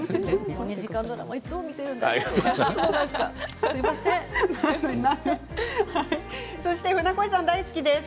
２時間ドラマいつも見ているんです。